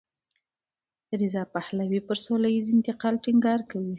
رضا پهلوي پر سولهییز انتقال ټینګار کوي.